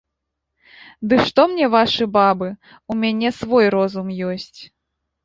Ды што мне вашы бабы, у мяне свой розум ёсць.